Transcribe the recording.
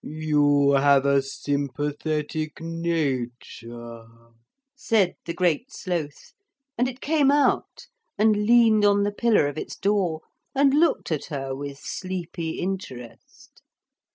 'You have a sympathetic nature,' said the Great Sloth, and it came out and leaned on the pillar of its door and looked at her with sleepy interest.